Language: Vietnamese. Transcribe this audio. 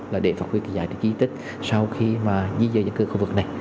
là để phát huy kỳ giải trí di tích sau khi mà di dời đến khu vực này